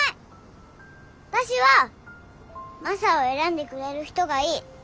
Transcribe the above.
私はマサを選んでくれる人がいい。